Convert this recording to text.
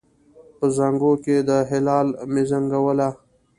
په زانګو کې د هلال مې زنګوله